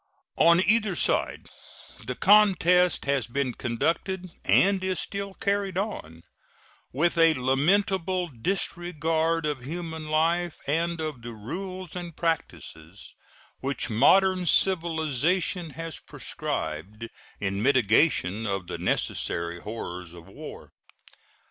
On either side the contest has been conducted, and is still carried on, with a lamentable disregard of human life and of the rules and practices which modern civilization has prescribed in mitigation of the necessary horrors of war.